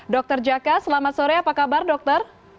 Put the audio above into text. dr jaka selamat sore apa kabar dokter